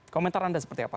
komentar anda seperti apa